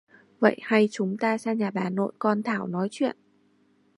vậy hay chúng ta sang nhà bà nội con thảo nói chuyện